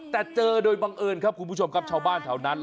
แต่เจอโดยบังเอิญครับคุณผู้ชมครับชาวบ้านแถวนั้น